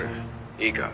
「いいか？